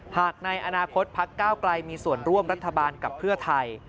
หากในอนาคตพักก้าวไกลมีส่วนร่วมรัฐบาลกับเพื่อไทย